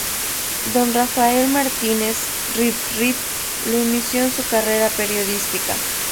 Don Rafael Martínez, "Rip-Rip", lo inició en su carrera periodística.